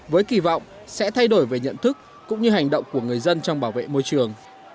với kỳ vọng sẽ thay đổi về nhận thức cũng như hành động của người dân trong bảo vệ môi trường